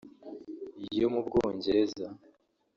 yo mu bwongereza